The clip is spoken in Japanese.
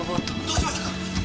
どうしましたか？